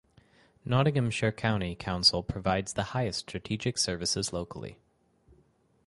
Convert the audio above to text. Nottinghamshire County Council provides the highest strategic services locally.